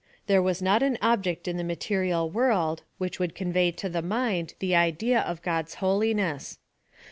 There was not an object in the material world which would con vey to the mind the idea of God's holiness.